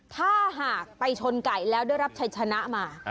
ถ้าหากไปชนไก่แล้วได้รับชัยชนะมา